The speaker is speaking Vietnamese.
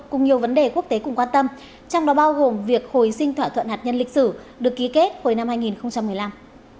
cùng nhiều vấn đề quốc tế cùng quan tâm trong đó bao gồm việc hồi sinh thỏa thuận hạt nhân lịch sử được ký kết hồi năm hai nghìn một mươi năm